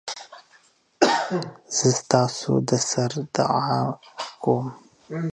زه ستاسودسر دعاکوم